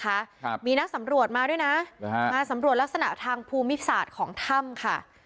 ครับมีนักสำรวจมาด้วยนะหรือฮะมาสำรวจลักษณะทางภูมิศาสตร์ของถ้ำค่ะ